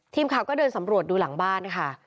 ทีมข่าวก็เดินสำรวจดูหลังบ้านค่ะ